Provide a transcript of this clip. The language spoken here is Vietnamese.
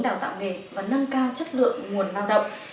đào tạo nghề và nâng cao chất lượng nguồn lao động